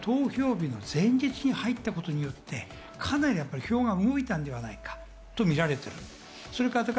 しかし、最後に投票日の前日に入ったことによって票が動いたのではないかと見られている。